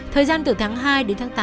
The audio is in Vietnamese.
thời gian từ tháng hai đến tháng tám